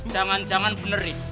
jangan jangan bener nih